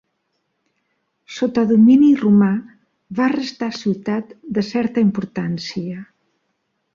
Sota domini romà va restar ciutat de certa importància.